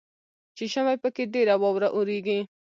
چې ژمي پکښې ډیره واوره اوریږي.